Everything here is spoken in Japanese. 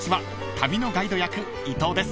旅のガイド役伊藤です］